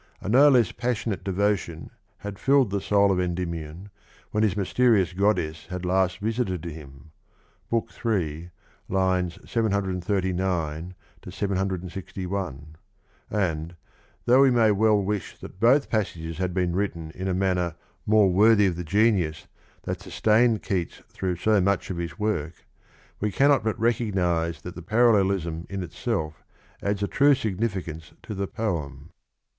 A no less passionate devo tion had filled the soul of Endymion when his mysterious goddess had last visited him (III. 739 /61), and, though we may well wish that both passages had been written in a manner more worthy of the genius that sustained Keats through so much of his work, we cannot but recognise that the parallelism in itself adds a true significance to the poem.